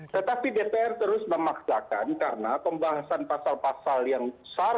tetapi dpr terus memaksakan karena pembahasan pasal pasal yang syarat untuk membuatnya